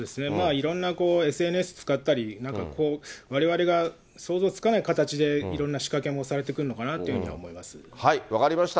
いろんなＳＮＳ使ったり、なんかわれわれが想像つかない形でいろんな仕掛けもされてくるの分かりました。